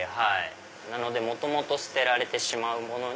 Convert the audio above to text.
なので元々捨てられてしまうものに。